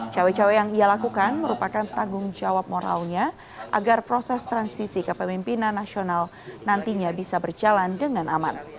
cawe cawe yang ia lakukan merupakan tanggung jawab moralnya agar proses transisi kepemimpinan nasional nantinya bisa berjalan dengan aman